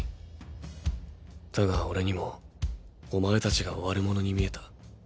だがオレにもお前たちが悪者に見えた。